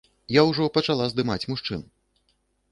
Я ўжо пачала здымаць мужчын.